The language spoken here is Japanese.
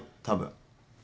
たぶん。